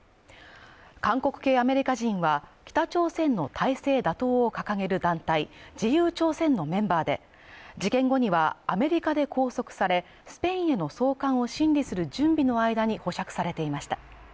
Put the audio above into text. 韓国系アメリカ人は北朝鮮の体制打倒を掲げる団体自由朝鮮のメンバーで、事件後にはアメリカで拘束され、スペインへの送還を審理する準備の間に保釈されていました。